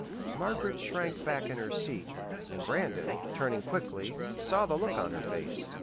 Margaret shrank back in her seat, and Brandon, turning quickly, saw the look on her face.